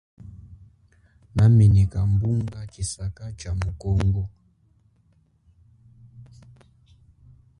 Nameneka bunga tshisaka cha mu Congo.